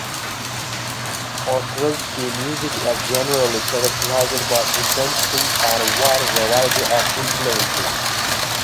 Ostrowski's music is generally characterised by intensity and a wide variety of influences.